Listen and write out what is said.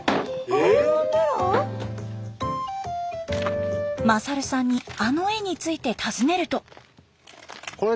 勝さんにあの絵について尋ねると。